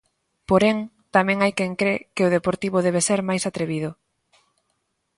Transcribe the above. Porén, tamén hai quen cre que o Deportivo debe ser máis atrevido.